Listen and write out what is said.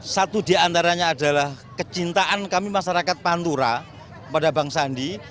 satu di antaranya adalah kecintaan kami masyarakat pantura pada bang sandi